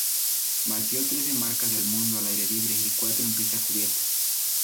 Batió trece marcas del mundo al aire libre y cuatro en pista cubierta.